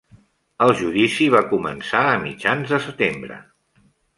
El judici va començar a mitjans de setembre.